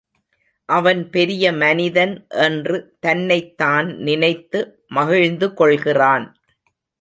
அவன் பெரிய மனிதன் என்று தன்னைத்தான் நினைத்து மகிழ்ந்து கொள்கிறான்.